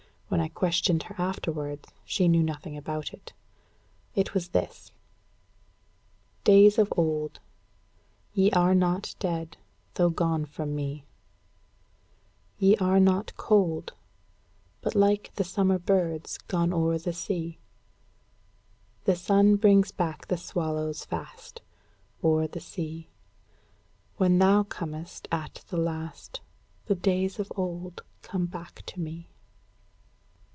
When I questioned her afterwards, she knew nothing about it. It was this, Days of old, Ye are not dead, though gone from me; Ye are not cold, But like the summer birds gone o'er the sea. The sun brings back the swallows fast, O'er the sea: When thou comest at the last, The days of old come back to me.